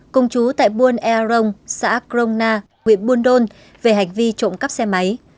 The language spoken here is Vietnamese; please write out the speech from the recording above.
công chú tại buôn ea rồng xã crong na huyện buôn đôn về hành vi trộm cắp xe máy